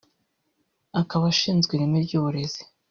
akaba ashinzwe ireme ry’uburezi